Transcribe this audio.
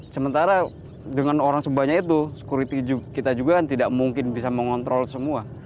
sementara dengan orang sebanyak itu security kita juga tidak mungkin bisa mengontrol semua